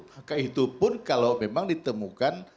maka itu pun kalau memang ditemukan